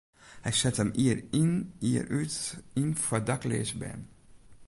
Hy set him jier yn jier út yn foar dakleaze bern.